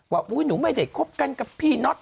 อุ๊ยหนูไม่ได้คบกันกับพี่น็อต